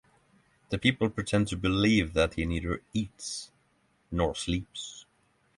The people pretend to believe that he neither eats nor sleeps.